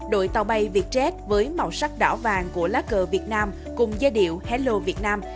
đội tàu bay vietjet với màu sắc đỏ vàng của lá cờ việt nam cùng gia điệu hello việt nam